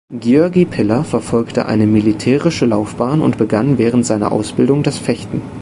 György Piller verfolgte eine militärische Laufbahn und begann während seiner Ausbildung das Fechten.